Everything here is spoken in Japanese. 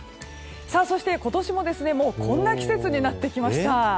そして、今年ももうこんな季節になってきました。